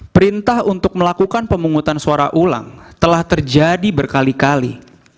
perintah untuk melakukan pemungutan suara ulang telah terjadi berkali kali